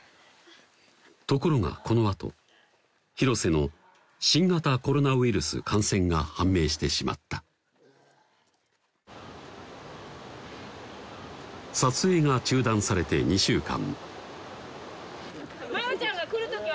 ところがこのあと広瀬の新型コロナウイルス感染が判明してしまった撮影が中断されて２週間麻世ちゃんが来る時はですね